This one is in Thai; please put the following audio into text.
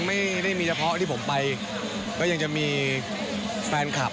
ไม่ได้มีเฉพาะที่ผมไปก็ยังจะมีแฟนคลับ